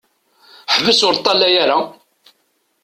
Ḥbes ur ṭṭalaya ara!